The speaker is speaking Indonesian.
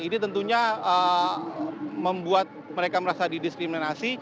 ini tentunya membuat mereka merasa didiskriminasi